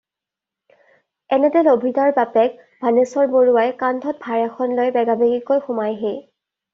এনেতে লভিতাৰ বাপেক বাণেশ্বৰ বৰুৱাই কান্ধত ভাৰ এখন লৈ বেগাবেগিকৈ সোমায়হি